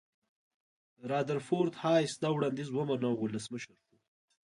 رادرفورد هایس دا وړاندیز ومانه او ولسمشر شو.